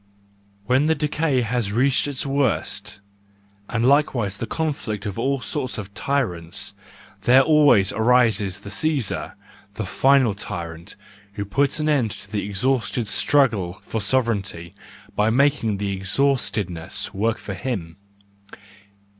When the decay has reached its worst, and likewise the conflict of all sorts of tyrants, there always arises the Caesar, the final tyrant, who puts an end to the exhausted struggle for sove reignty, by making the exhaustedness work for him.